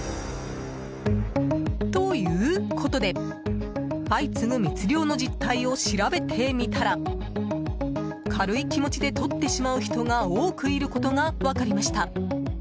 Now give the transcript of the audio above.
ということで相次ぐ密漁の実態を調べてみたら軽い気持ちでとってしまう人が多くいることが分かりました。